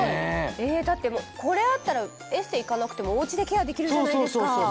だってこれあったらエステ行かなくてもお家でケアできるじゃないですか。